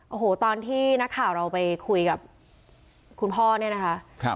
โอ้โหตอนที่นักข่าวเราไปคุยกับคุณพ่อเนี่ยนะคะ